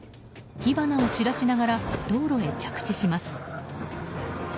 火花を散らしながら道路へ着地します。